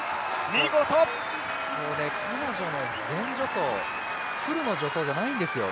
彼女の全助走フルの助走じゃないですよ